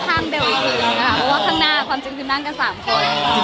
เข้าไปเตรียมอีกคืนนะคะเพราะว่าข้างหน้าความจริงนั่งกัน๓คน